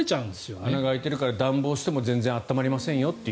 穴が開いているから暖房しても全然暖まりませんよと。